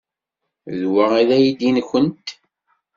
D wa ay d aydi-nwent?